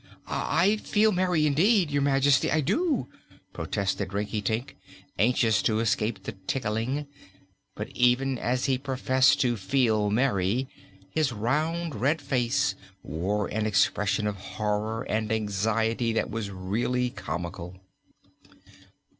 "I feel merry indeed, Your Majesty, I do!" protested Rinkitink, anxious to escape the tickling. But even as he professed to "feel merry" his round, red face wore an expression of horror and anxiety that was really comical.